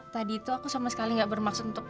tadi itu aku sama sekali gak bermaksud untuk